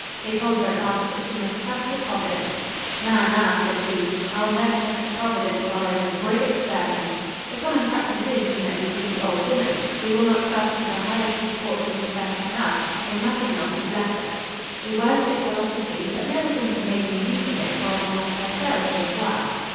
They told her at last that she must trust to Providence. `Na, na,' said she, `I will ne'er trust to Providence while there is a brigg at Stirling.' The common practice is, you know, with the old woman. We will not trust to the highest support we profess to have, till nothing else is left us. We worship philosophy, but never think of making use of it while we have prosperity as well."